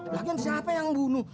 lagi siapa yang bunuh